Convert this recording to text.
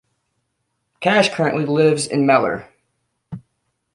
Cash currently lives in Mellor.